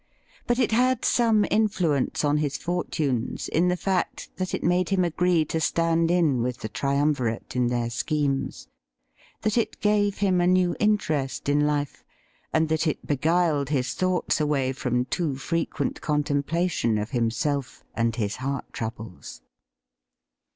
But it had some influence on his fortunes in the fact that it made him agree to stand in with the triumvirate in their schemes, that it gave him a new interest in life, and A LETTER AND A MEETING 175 that it beguiled his thoughts away from too frequent con templation of himself and his heart troubles.